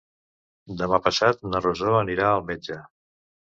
Demà passat na Rosó anirà al metge.